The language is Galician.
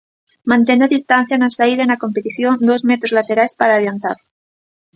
Mantendo a distancia na saída e na competición, dous metros laterais para adiantar.